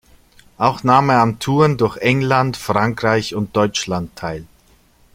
Auch nahm er an Touren durch England, Frankreich und Deutschland teil.